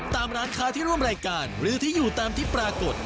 ตามร้านค้าที่ร่วมรายการหรือที่อยู่ตามที่ปรากฏ